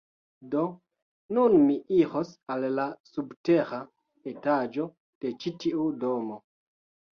Do, nun mi iros al la subtera etaĝo de ĉi tiu domo